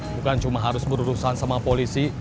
bukan cuma harus berurusan sama polisi